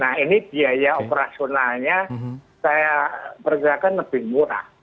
nah ini biaya operasionalnya saya percaya kan lebih murah